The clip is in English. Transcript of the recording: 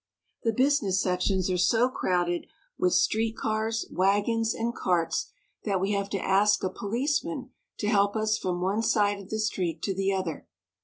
The business sections are so crowded with street cars, wagons, and carts that we have to ask a policeman to help us from one side of the street to the other.